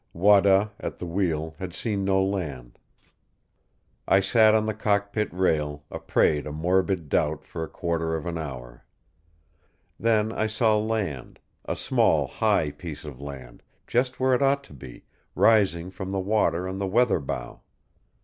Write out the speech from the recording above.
Wada, at the wheel, had seen no land. I sat on the cockpit rail, a prey to morbid doubt for a quarter of an hour. Then I saw land, a small, high piece of land, just where it ought to be, rising from the water on the weather bow.